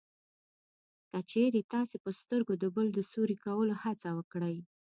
که چېرې تاسې په سترګو د بل د سوري کولو هڅه وکړئ